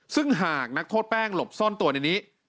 ซึ่งหากนักโทษแป้งหลบซ่อนตัวในนี้